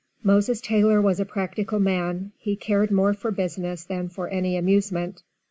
Moses Taylor was a practical man, he cared more for business than for any amusement.